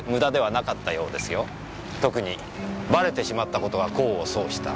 特にバレてしまったことは功を奏した。